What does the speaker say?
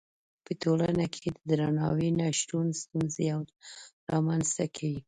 په ټولنه کې د درناوي نه شتون ستونزې رامنځته کوي.